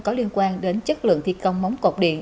có liên quan đến chất lượng thi công móng cột điện